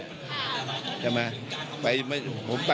อันนี้จะต้องจับเบอร์เพื่อที่จะแข่งกันแล้วคุณละครับ